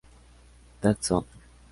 Dead Zone